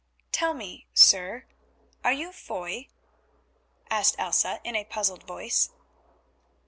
"Tell me, sir, are you Foy?" asked Elsa in a puzzled voice.